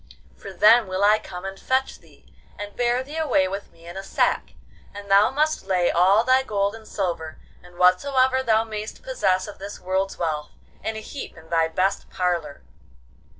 for then will I come and fetch thee, and bear thee away with me in a sack, and thou must lay all thy gold and silver, and whatsoever thou may'st possess of this world's wealth, in a heap in thy best parlour.